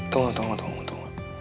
tunggu tunggu tunggu